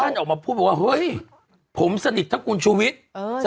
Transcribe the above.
บิ๊กโจ๊กออกอีกท่านออกมาพูดบอกว่าเฮ้ยผมสนิททั้งคุณชูวิทโพสต์